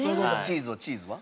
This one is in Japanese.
チーズは？